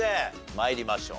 参りましょう。